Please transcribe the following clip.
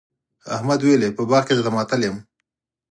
احمد وويل: په باغ کې درته ماتل یم.